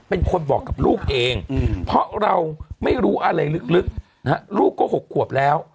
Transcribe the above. เป็นคนบอกกับลูกเองเพราะเราไม่รู้อะไรลึกนะฮะลูกก็๖ขวบแล้ว